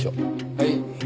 はい。